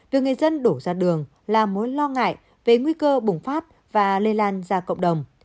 việc người dân đổ ra đường là mối lo ngại về nguy cơ bùng phát và lây lan ra cộng đồng